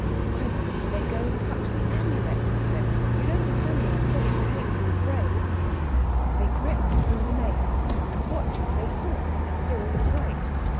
"I believe they go and touch the Amulet," he said. "You know the Psammead said it could make people brave." They crept through the maze, and watching they saw that Cyril was right.